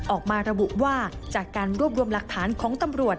ออกมาระบุว่าจากการรวบรวมหลักฐานของตำรวจ